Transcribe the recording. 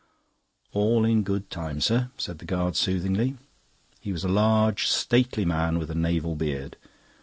"All in good time, sir," said the guard soothingly. He was a large, stately man with a naval beard.